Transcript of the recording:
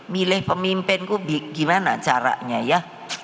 milih pemimpinku gimana caranya ya